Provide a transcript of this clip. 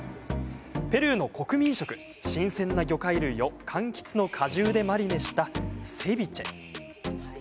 ペルーの国民食、新鮮な魚介類をかんきつの果汁でマリネしたセビチェ。